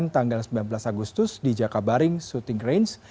tanggal sembilan belas agustus di jakabaring shooting range